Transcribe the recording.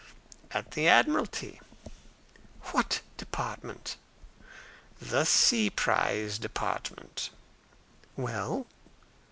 "At the Admiralty." "What department?" "The Sea Prize Department." "Well?"